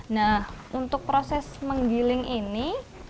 nah untuk proses menggiling ini